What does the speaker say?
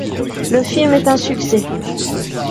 Le film est un succès.